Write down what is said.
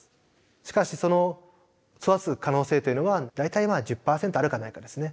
しかしその育つ可能性というのは大体１０％あるかないかですね。